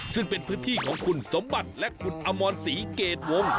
ซึ่งเป็นพื้นที่ของคุณสมบัติและคุณอมรศรีเกรดวง